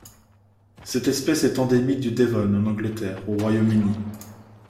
Cette espèce est endémique du Devon en Angleterre au Royaume-Uni.